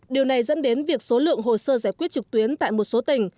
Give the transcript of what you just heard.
điều này dẫn đến việc số lượng hồ sơ giải quyết trực tuyến tại một số tỉnh